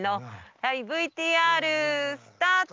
はいＶＴＲスタート。